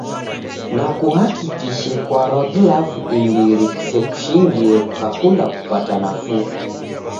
Na kuhakikishe kwarwa glavu imbiri kusekushingie kukakunda kupata nafuu.